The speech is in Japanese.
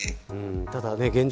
ただ現状